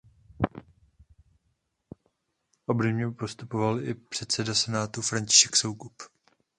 Obdobně postupoval i předseda Senátu František Soukup.